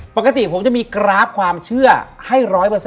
ปกติผมจะมีกราฟความเชื่อให้๑๐๐